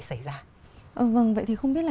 xảy ra vâng vậy thì không biết là